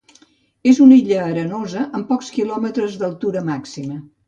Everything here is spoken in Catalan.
És una illa arenosa amb pocs quilòmetres d'altura màxima.